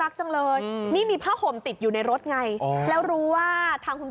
ก็เลยได้ก็คงอยู่ที่บ้านครับ